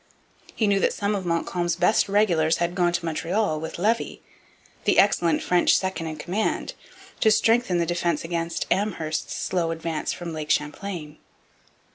He knew that some of Montcalm's best regulars had gone to Montreal with Levis, the excellent French second in command, to strengthen the defence against Amherst's slow advance from Lake Champlain.